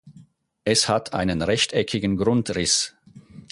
Es hat einen rechteckigen Grundriss.